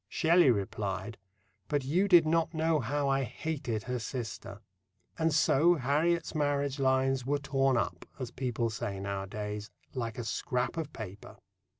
Shelley replied: "But you did not know how I hated her sister." And so Harriet's marriage lines were, torn up, as people say nowadays, like a scrap of paper.